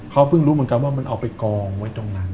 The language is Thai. เขาเพิ่งรู้เหมือนกันว่ามันเอาไปกองไว้ตรงนั้น